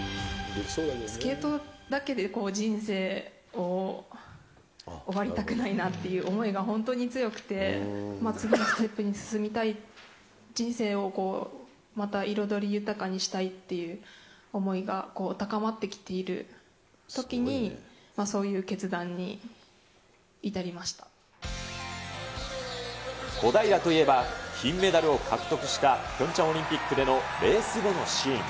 スケートだけで人生を終わりたくないなっていう思いが本当に強くて、次のステップに進みたい、人生をまた彩り豊かにしたいっていう思いが高まってきているとき小平といえば、金メダルを獲得したピョンチャンオリンピックでのレース後のシーン。